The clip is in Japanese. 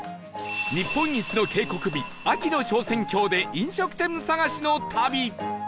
日本一の渓谷美秋の昇仙峡で飲食店探しの旅